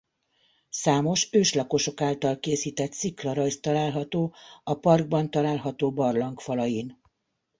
Számos őslakosok által készített sziklarajz található a parkban található barlang falain.